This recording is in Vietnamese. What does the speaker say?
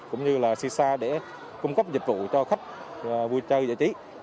cũng như là si sa để cung cấp dịch vụ cho khách vui chơi giải trí